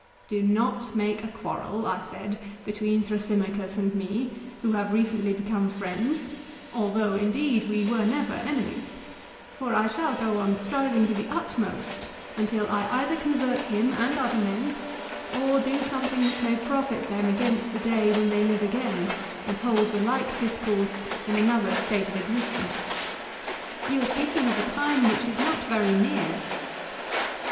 Do not make a quarrel, I said, between Thrasymachus and me, who have recently become friends, although, indeed, we were never enemies; for I shall go on striving to the utmost until I either convert him and other men, or do something which may profit them against the day when they live again, and hold the like discourse in another state of existence. You are speaking of a time which is not very near.